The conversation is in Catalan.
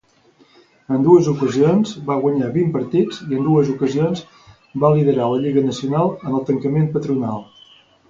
En dues ocasions va guanyar vint partits i en dues ocasions va liderar la Lliga Nacional en el tancament patronal.